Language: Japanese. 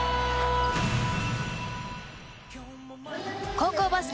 高校バスケ